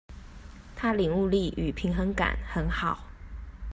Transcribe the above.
他領悟力與平衡感很好